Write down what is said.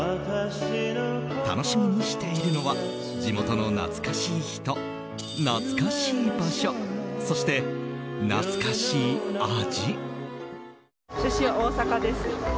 楽しみにしているのは地元の懐かしい人、懐かしい場所そして、懐かしい味。